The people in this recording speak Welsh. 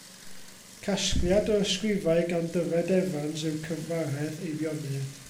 Casgliad o ysgrifau gan Dyfed Evans yw Cyfaredd Eifionydd.